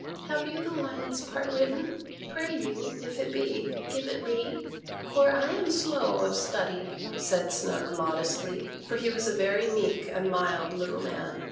"Have you the lion's part written? Pray you, if it be, give it me, for I am slow of study," said Snug modestly, for he was a very meek and mild little man.